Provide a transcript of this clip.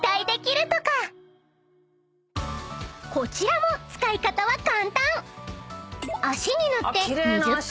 ［こちらも使い方は簡単］